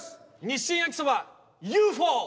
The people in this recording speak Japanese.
日清焼そばＵ．Ｆ．Ｏ．！